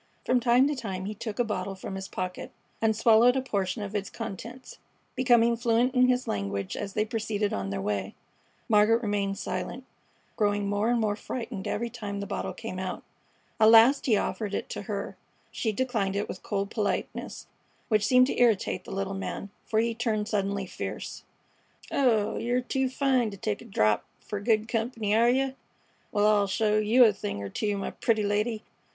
From time to time he took a bottle from his pocket and swallowed a portion of its contents, becoming fluent in his language as they proceeded on their way. Margaret remained silent, growing more and more frightened every time the bottle came out. At last he offered it to her. She declined it with cold politeness, which seemed to irritate the little man, for he turned suddenly fierce. "Oh, yer too fine to take a drap fer good comp'ny, are yeh? Wal, I'll show yeh a thing er two, my pretty lady.